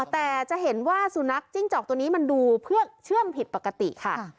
แต่จะเห็นว่าสุนัขจิ้งจอกตัวนี้มันดูเพื่อเชื่อมผิดปกติค่ะ